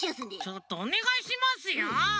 ちょっとおねがいしますよ。